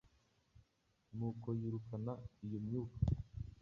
nuko yirukana iyo myuka